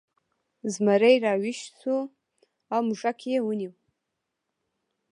زمری راویښ شو او موږک یې ونیو.